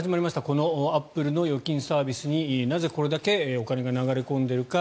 このアップルの預金サービスになぜこれだけお金が流れ込んでいるか。